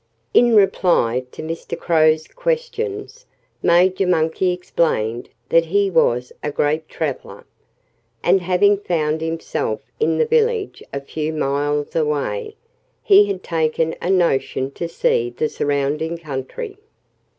In reply to Mr. Crow's questions, Major Monkey explained that he was a great traveller. And having found himself in the village a few miles away, he had taken a notion to see the surrounding country.